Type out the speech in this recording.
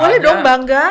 boleh dong bangga